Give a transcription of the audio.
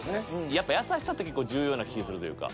やっぱ優しさって結構重要な気するというか。